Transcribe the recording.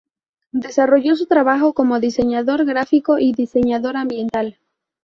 Desarrolló su trabajo como diseñador gráfico y diseñador ambiental.